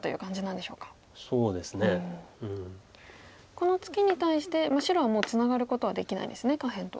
このツケに対して白はもうツナがることはできないですね下辺と。